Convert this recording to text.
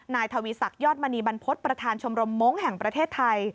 ทวีศักดิยอดมณีบรรพฤษประธานชมรมมงค์แห่งประเทศไทย